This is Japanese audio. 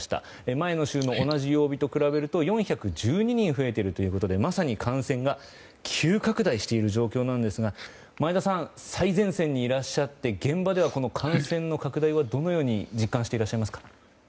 前の週の同じ曜日と比べると４１２人増えているということでまさに感染が急拡大している状況なんですが前田さん最前線にいらっしゃって現場ではこの感染の拡大をどのように実感していらっしゃいますか？